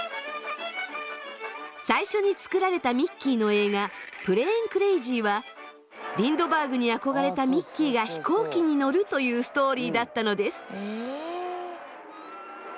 最初に作られたミッキーの映画「プレーン・クレイジー」はリンドバーグに憧れたミッキーが飛行機に乗るというストーリーだったのです。